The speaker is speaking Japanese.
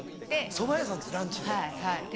そば屋さんですかランチで。